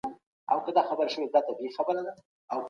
سبا به هغه په ازموينه کي د بريا له پاره ليکل کوي.